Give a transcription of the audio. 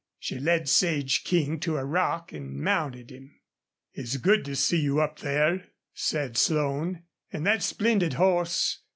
She led Sage King to a rock and mounted him. "It's good to see you up there," said Slone. "An' that splendid horse!